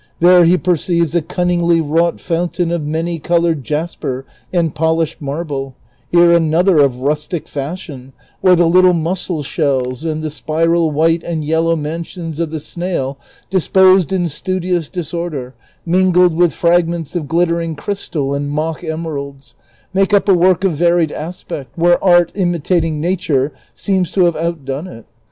There he perceives a cunningly wrought fountain of many colored jasper and polished marble ; here another of rustic fashion where the little mussel shells and the spiral white and yellow mansions of the snail disposed in studious disorder, mingled Avith fragmentsof glittering crystal and mock emeralds, )nake up a work of varied aspect, Avhere art, imitating nature, seems to have outdone it.